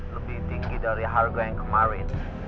dan bahkan dua kali lipat lebih tinggi dari harga yang kemarin